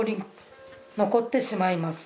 「残ってしまいます」